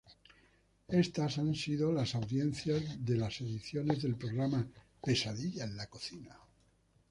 Estas han sido las audiencias de las ediciones del programa "Pesadilla en la cocina".